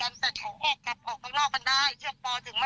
ห้องจะไกลเป็นแรงตลอดภัยอย่างยิ่งเติม